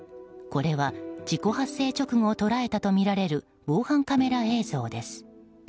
これは事故発生直後捉えたとみられる防犯カメラ映像です。